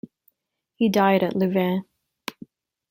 He died at Louvain.